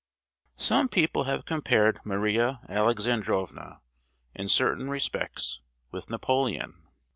Some people have compared Maria Alexandrovna, in certain respects, with Napoleon.